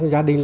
của gia đình